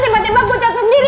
tiba tiba gue catur sendiri